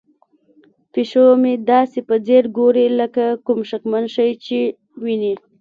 پیشو مې داسې په ځیر ګوري لکه کوم شکمن شی چې ویني.